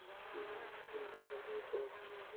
হুম, ব্যস আমরা ওর গলার রশি খুলে দিই।